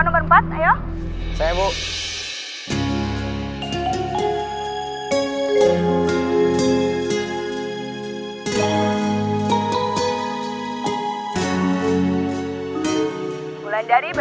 wulan dari berpasangan dengan samuel